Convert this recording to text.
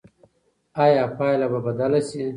ایا پایله به بدله شي؟